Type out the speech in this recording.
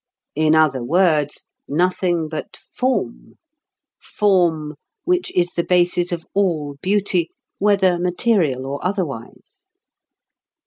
In other words, nothing but "form" "form" which is the basis of all beauty, whether material or otherwise.